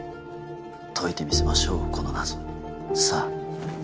解いてみせましょうこの謎を。さぁ。